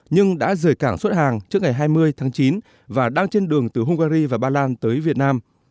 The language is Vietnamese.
nhưng đã rời cảng xuất hàng trước ngày hai mươi tháng chín và đang trên đường từ hungary và ba lan tới việt nam